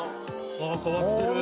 あぁ変わってる。